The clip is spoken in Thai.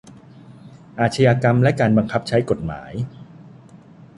อาชญากรรมและการบังคับใช้กฎหมาย